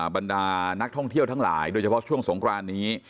บรรดานักท่องเที่ยวทั้งหลายโดยเฉพาะช่วงสงครานนี้